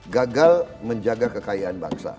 gagal menjaga kekayaan bangsa